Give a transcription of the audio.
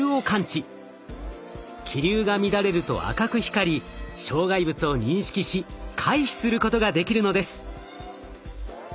気流が乱れると赤く光り障害物を認識し回避することができるのです。